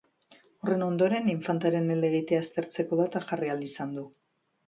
Horren ondoren, infantaren helegitea aztertzeko data jarri ahal izan du.